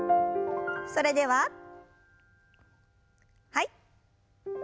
それでははい。